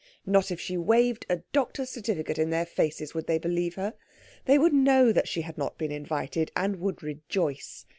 Not if she waved a doctor's certificate in their faces would they believe her. They would know that she had not been invited, and would rejoice.